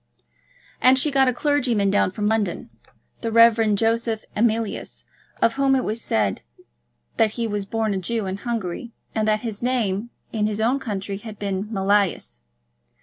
And she got a clergyman down from London, the Rev. Joseph Emilius, of whom it was said that he was born a Jew in Hungary, and that his name in his own country had been Mealyus.